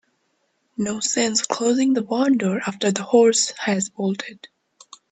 No sense closing the barn door after the horse has bolted.